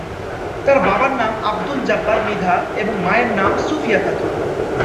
তার বাবার নাম আবদুল জব্বার মৃধা এবং মায়ের নাম সুফিয়া খাতুন।